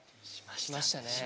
しましたね。